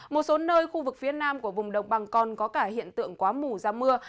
một số nơi khu vực phía nam của vùng đồng bằng con có cả hiện tượng quá mù ra mưa